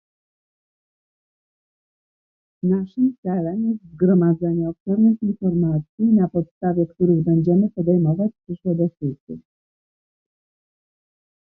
Naszym celem jest zgromadzenie obszernych informacji, na podstawie których będziemy podejmować przyszłe decyzje